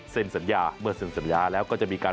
ส่งสัญญาเมื่อส่งสัญญาแล้วก็จะมีการ